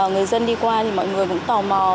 người dân đi qua thì mọi người vẫn tò mò